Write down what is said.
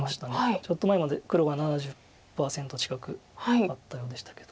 ちょっと前まで黒が７０％近くあったんでしたけど。